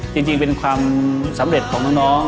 จริงเป็นความสำเร็จของน้อง